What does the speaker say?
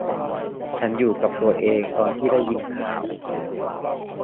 ฉันอยู่กับตัวเองตอนที่ได้ยินข่าว